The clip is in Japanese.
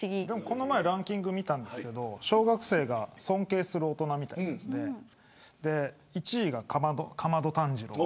この前ランキング見たんですけど小学生が尊敬する大人みたいな１位が竈門炭治郎。